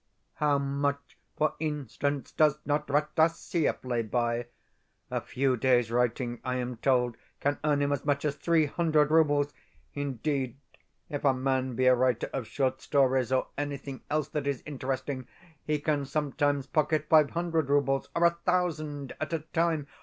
How much, for instance, does not Rataziaev lay by? A few days' writing, I am told, can earn him as much as three hundred roubles! Indeed, if a man be a writer of short stories or anything else that is interesting, he can sometimes pocket five hundred roubles, or a thousand, at a time!